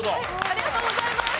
ありがとうございます！